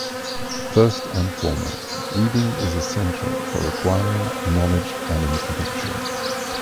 First and foremost, reading is essential for acquiring knowledge and information.